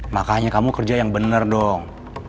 makanya kamu kerja yang benar dong